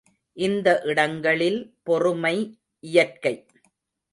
இந்த இடங்களில் பொறுமை இயற்கை.